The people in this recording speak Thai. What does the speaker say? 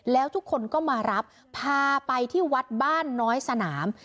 แล้วทุกคนก็มารับพาไปที่วัดบ้านน้อยสนาม